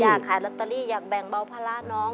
อยากขายลอตเตอรี่อยากแบ่งเบาภาระน้อง